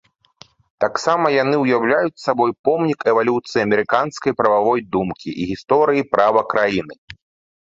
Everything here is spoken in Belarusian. Таксама яны ўяўляюць сабой помнік эвалюцыі амерыканскай прававой думкі і гісторыі права краіны.